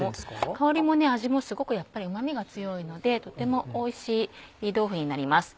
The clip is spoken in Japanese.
香りも味もすごくうまみが強いのでとてもおいしい煮豆腐になります。